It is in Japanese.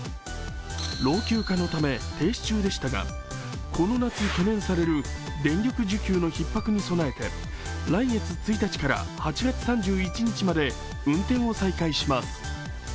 老朽化のため停止中でしたが、この夏、懸念される電力需給のひっ迫に備えて来月１日から８月３１日まで運転を再開します。